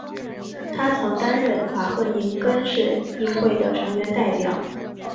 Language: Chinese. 他曾担任瓦赫宁根市议会的成员代表。